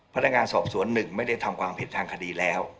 พนักงานสอบสวน๑ไม่ได้ทำความผิดทางคดีแล้ว